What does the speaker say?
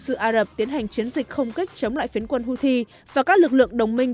giữa ả rập tiến hành chiến dịch không kích chống lại phiến quân houthi và các lực lượng đồng minh